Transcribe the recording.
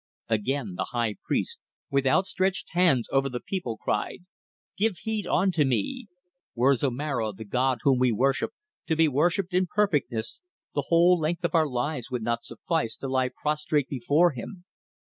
Again the high priest, with outstretched hands over the people, cried: "Give heed unto me! Were Zomara, the god whom we worship, to be worshipped in perfectness, the whole length of our lives would not suffice to lie prostrate before him.